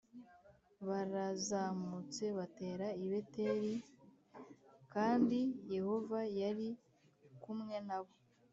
barazamutse batera i beteli,+ kandi yehova yari kumwe na bo